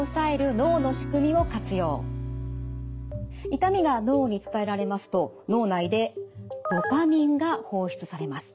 痛みが脳に伝えられますと脳内でドパミンが放出されます。